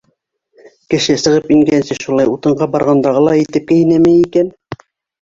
Кеше сығып ингәнсе шулай утынға барғандағылай итеп кейенәме икән?